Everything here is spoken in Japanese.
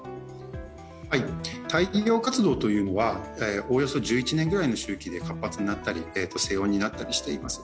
太陽活動というのはおおよそ１１年周期で活発になったり、静穏になったりしています。